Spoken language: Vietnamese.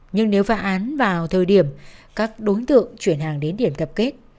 nhưng nếu phá án vào thời điểm các đối tượng chuyển hàng đến điểm tập kết